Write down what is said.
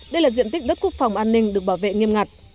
đây là diện tích đất quốc phòng an ninh được bảo vệ nghiêm ngặt